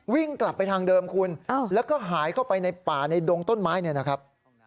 วิ่งกลับไปทางเดิมคุณแล้วก็หายเข้าไปในป่าในดงต้นไม้เนี่ยนะครับ